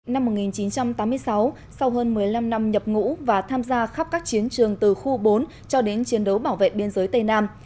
năm một nghìn chín trăm tám mươi sáu sau hơn một mươi năm năm nhập ngũ và tham gia khắp các chiến trường từ khu bốn cho đến chiến đấu bảo vệ biên giới tây nam